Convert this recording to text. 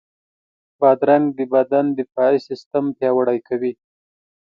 بادرنګ د بدن دفاعي سیستم پیاوړی کوي.